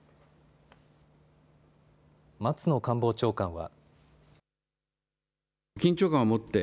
松野官房長官は。